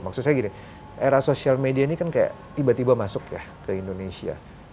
maksudnya gini era social media ini kan kayak tiba tiba masuk ya ke indonesia